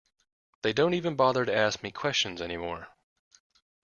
They don't even bother to ask me questions any more.